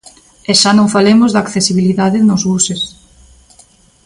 E xa non falemos da accesibilidade nos buses.